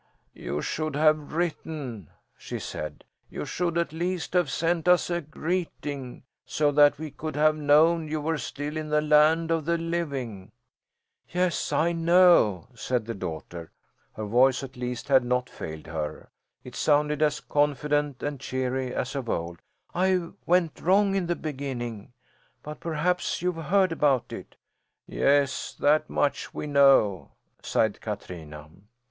"You should have written," she said. "You should at least have sent us a greeting, so that we could have known you were still in the land of the living." "Yes, I know," said the daughter. Her voice, at least, had not failed her; it sounded as confident and cheery as of old. "I went wrong in the beginning but perhaps you've heard about it?" "Yes; that much we know," sighed Katrina.